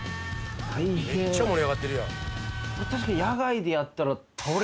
「めっちゃ盛り上がってるやん」